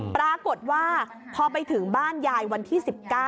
ปรากฏว่าพอไปถึงบ้านยายวันที่๑๙